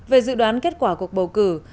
về dự đoán kết quả cuộc bầu cử